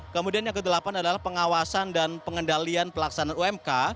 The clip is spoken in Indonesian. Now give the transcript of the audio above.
kemudian yang kegelapan adalah pengawasan dan pengendalian pelaksanaan umk